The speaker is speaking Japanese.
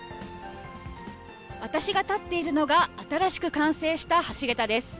私が立っているのが、新しく完成した橋桁です。